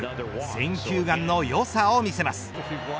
選球眼の良さを見せます。